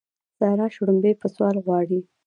سارا شړومبې په سوال غواړي.